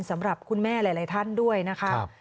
สำหรับคุณแม่หลายท่านด้วยนะคะ